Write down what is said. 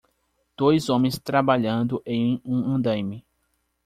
Dois homens trabalhando em um andaime.